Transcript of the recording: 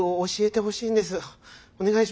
お願いします！